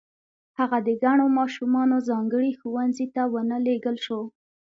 هغه د کڼو ماشومانو ځانګړي ښوونځي ته و نه لېږل شو